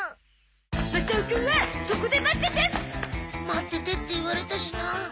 待っててって言われたしなあ。